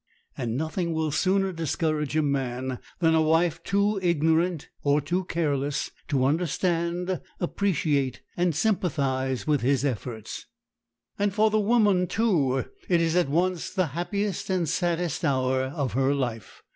And nothing will sooner discourage a man than a wife too ignorant or too careless to understand, appreciate, and sympathize with his efforts. And for the woman, too, it is at once the happiest and saddest hour of her life.